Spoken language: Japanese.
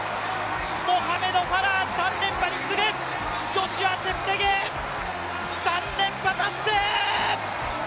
モハメド・ファラーに次ぐ、ジョシュア・チェプテゲイ、３連覇達成！